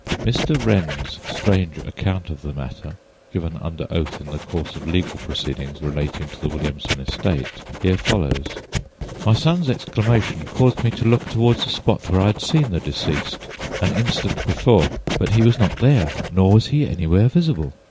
Mr. Wren's strange account of the matter, given under oath in the course of legal proceedings relating to the Williamson estate, here follows: "My son's exclamation caused me to look toward the spot where I had seen the deceased an instant before, but he was not there, nor was he anywhere visible.